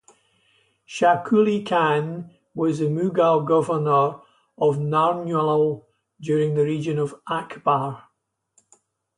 Shah Quli Khan was the Mughal governor of Narnaul during the reign of Akbar.